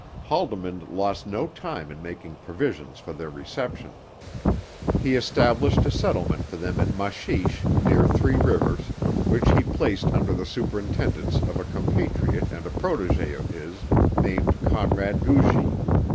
Haldimand lost no time in making provision for their reception. He established a settlement for them at Machiche, near Three Rivers, which he placed under the superintendence of a compatriot and a protege of his named Conrad Gugy.